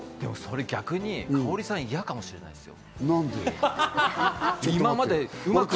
逆に香織さん、嫌かもしれないですよ。